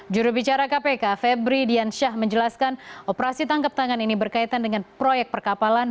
jurubicara kpk febri diansyah menjelaskan operasi tangkap tangan ini berkaitan dengan proyek perkapalan